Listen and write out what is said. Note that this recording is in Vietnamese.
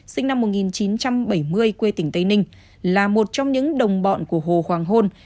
sinh năm một nghìn chín trăm bảy mươi quê tỉnh tây ninh là một trong những đồng bọn của hồ hoàng hôn